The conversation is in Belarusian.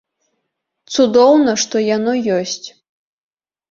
Цудоўна, што яно ёсць.